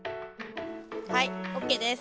はいＯＫです。